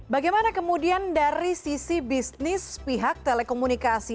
bagaimana kemudian dari sisi bisnis pihak telekomunikasi